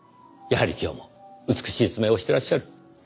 やはり今日も美しい爪をしてらっしゃる。